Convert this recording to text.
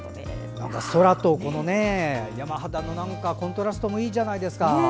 空と山肌のコントラストもいいじゃないですか。